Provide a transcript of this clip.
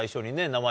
名前